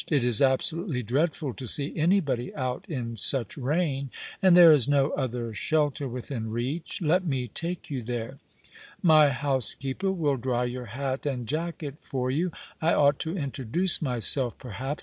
It is absolutely dreadful to see anybody out in such rain — and there is no other shelter within reach. Let me take you there. My housekeeper will dry your hat and jacket for you. I ought to introduce myself, perhaps.